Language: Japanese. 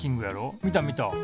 見た見た。